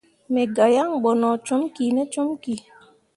Me gah yan bo no com kine comki.